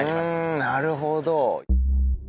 んなるほど。